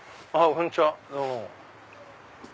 こんにちは。